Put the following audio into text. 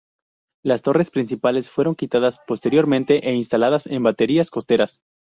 Las torretas principales fueron quitadas posteriormente e instaladas en baterías costeras.